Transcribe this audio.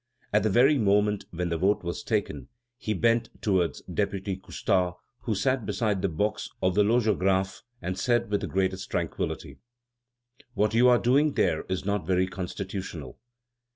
At the very moment when the vote was taken, he bent towards Deputy Coustard, who sat beside the box of the Logographe, and said with the greatest tranquillity: "What you are doing there is not very constitutional."